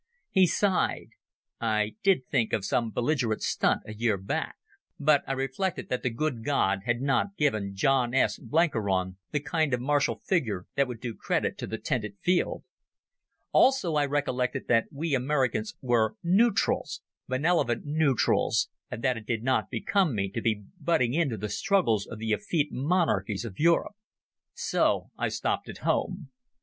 He sighed. "I did think of some belligerent stunt a year back. But I reflected that the good God had not given John S. Blenkiron the kind of martial figure that would do credit to the tented field. Also I recollected that we Americans were nootrals—benevolent nootrals—and that it did not become me to be butting into the struggles of the effete monarchies of Europe. So I stopped at home.